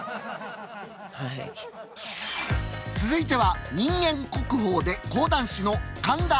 続いては人間国宝で講談師の神田松鯉さん。